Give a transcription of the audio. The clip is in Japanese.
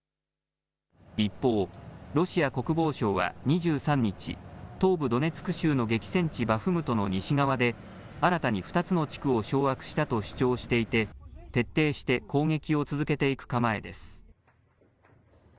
一方、ロシア国防省は２３日、東部ドネツク州の激戦地バフムトの西側で新たに２つの地区を掌握したと主張していて徹底して攻撃を続けていく構えです。